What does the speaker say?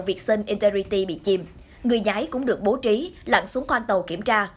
việt sơn interity bị chìm người nhái cũng được bố trí lặn xuống quan tàu kiểm tra